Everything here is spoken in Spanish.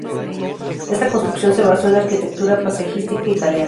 Esta construcción se basó en la arquitectura paisajística italiana.